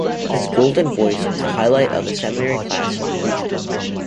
His 'Golden Voice' was the highlight of the seminary class on preaching.